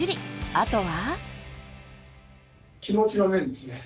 あとは。